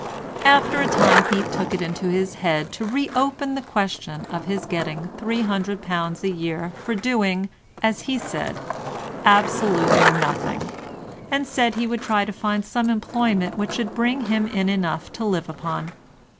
After a time he took it into his head to reopen the question of his getting £300 a year for doing, as he said, absolutely nothing, and said he would try to find some employment which should bring him in enough to live upon.